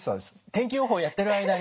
天気予報をやってる間に。